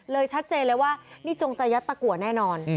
เลยชัดเจนแล้วว่านี่จงจะยัดประกัวแน่นอน